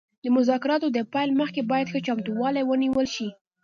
د مذاکراتو د پیل مخکې باید ښه چمتووالی ونیول شي